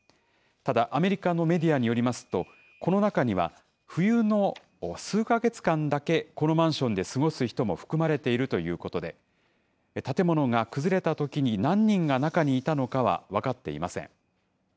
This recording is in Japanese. ただ、アメリカのメディアによりますと、この中には冬の数か月間だけ、このマンションで過ごす人も含まれているということで、建物が崩れたときに何人が中にいたのかは分かっていません。